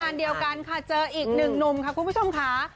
งานเดียวกันค่ะเจออีกหนึ่งหนุ่มค่ะคุณผู้ชมค่ะ